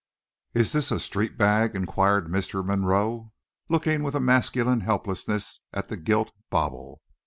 "Is this a street bag?" inquired Mr. Monroe, looking with a masculine helplessness at the gilt bauble.